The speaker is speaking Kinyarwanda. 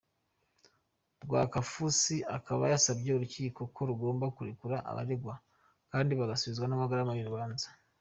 Rwakafuzi akaba yasabye urukiko ko rugomba kurekura abaregwa kandi bagasubizwa n’amagarama y’urubanza.